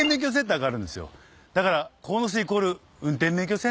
だから。